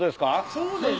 そうです。